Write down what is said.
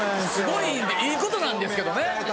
いいことなんですけどね。